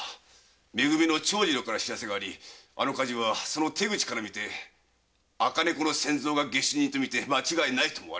め組の長次郎からの報せであの火事はその手口から見て赤猫の千蔵が下手人と見て間違いないと思われます。